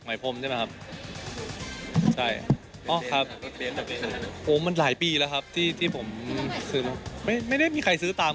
ไหมพรมใช่ไหมครับ